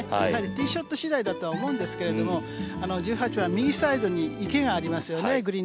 ティーショット次第だと思うんですが１８番、右サイドに池がありますよね。